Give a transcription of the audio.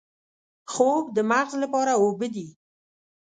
خوب د مغز لپاره اوبه دي